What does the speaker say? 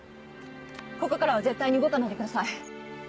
ここからは絶対に動かないでください。